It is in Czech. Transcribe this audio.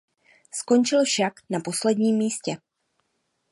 Skončil však na posledním místě.